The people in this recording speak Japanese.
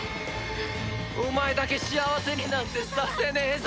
お前だけ幸せになんてさせねえぞ。